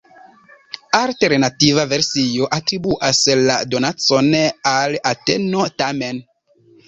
Alternativa versio atribuas la donacon al Ateno, tamen.